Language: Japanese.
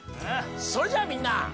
それじゃあみんな。